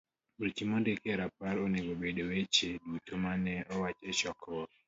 Weche mondiki e rapar onego obed weche duto ma ne owach e chokruok.